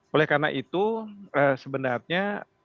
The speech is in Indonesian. oleh karena itu sebenarnya